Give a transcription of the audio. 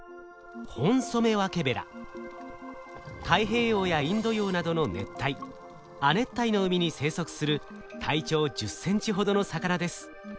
太平洋やインド洋などの熱帯亜熱帯の海に生息する体長１０センチほどの魚です。